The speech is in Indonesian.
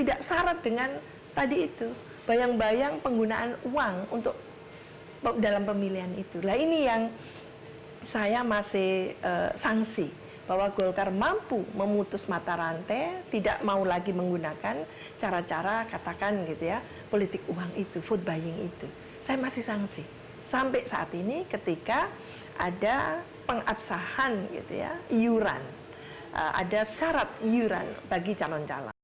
ada pengabsahan iuran ada syarat iuran bagi calon calon